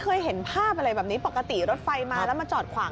เคยเห็นภาพอะไรแบบนี้ปกติรถไฟมาแล้วมาจอดขวาง